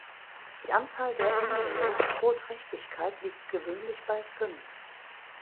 Die Anzahl der Embryos pro Trächtigkeit liegt gewöhnlich bei fünf.